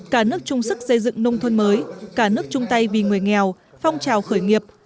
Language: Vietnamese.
cả nước chung sức xây dựng nông thôn mới cả nước chung tay vì người nghèo phong trào khởi nghiệp